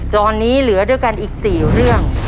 ตอนนี้เหลือด้วยกันอีก๔เรื่อง